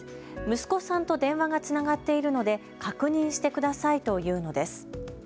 息子さんと電話がつながっているので確認してくださいと言うのです。